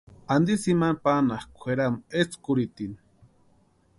¿Antisï imani panhakʼi kwʼeramu etskurhitini?